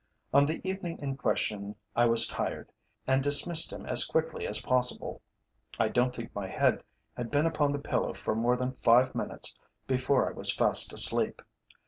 On the evening in question I was tired, and dismissed him as quickly as possible. I don't think my head had been upon the pillow for more than five minutes before I was fast asleep.